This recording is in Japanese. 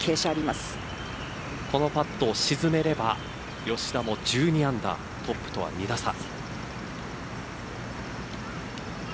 このパットを沈めれば吉田も１２アンダートップとは２打差。